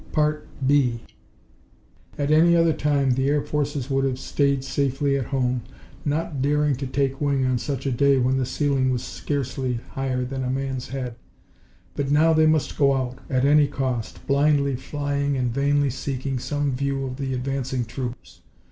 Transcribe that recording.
2 At any other time the air forces would have stayed safely at home, not daring to take wing on such a day when the ceiling was scarcely higher than a man's head. But now they must go out, at any cost, blindly flying and vainly seeking some view of the advancing troops.